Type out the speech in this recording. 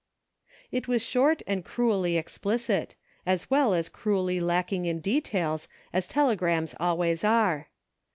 It was short and cruelly explicit, as well as cruelly lacking in details, as telegrams always are.